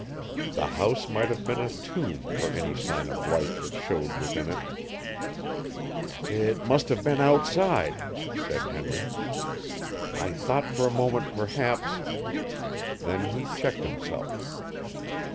The house might have been a tomb for any sign of life that showed within it. "It must have been outside," said Henry. "I thought for a moment perhaps " Then he checked himself.